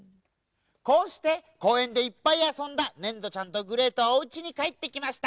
こうしてこうえんでいっぱいあそんだねんどちゃんとグレートはおうちにかえってきました。